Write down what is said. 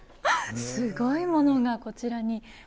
すごいものがこちらに。